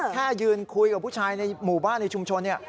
แค่ยืนคุยกับผู้ชายในหมู่บ้านในชุมชนเนี่ย